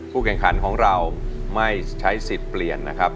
แข่งขันของเราไม่ใช้สิทธิ์เปลี่ยนนะครับ